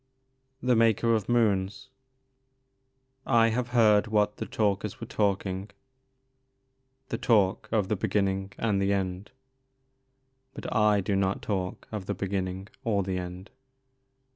THE MAKER OF MOONS. " I have beard what the Talkers were talking,— the talk Of the beginning and the end ; Bnt I do not talk of the beginning or the end."